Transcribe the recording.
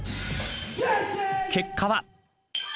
結果は。